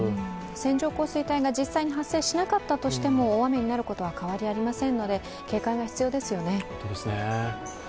線状降水帯が実際に発生しなかったとしても大雨になることは変わりありませんので警戒は必要ですよね。